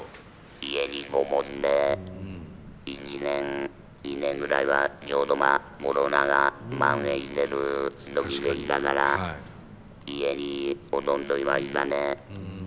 「家に籠もって１年２年ぐらいはちょうどコロナがまん延してる時でしたから家にほとんどいましたね」。